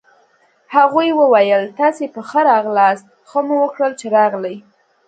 هغوی وویل: تاسي په ښه راغلاست، ښه مو وکړل چي راغلئ.